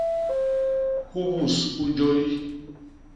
Hubus u jôy.